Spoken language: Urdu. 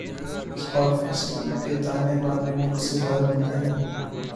اسپاٹ فکسنگ کے تانے بانے ملک سے باہر ملتےہیں